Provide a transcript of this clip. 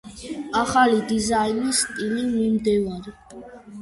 ახალი დიზაინის სტილის მიმდევარი.